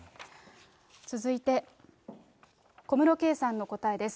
続いて小室圭さんの答えです。